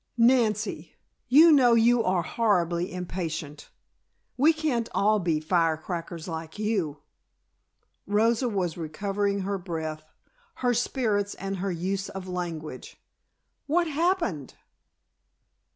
Nancy, you know you are horribly impatient. We can't all be firecrackers like you." Rosa was recovering her breath, her spirits and her use of language. "What happened?"